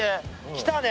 来たね。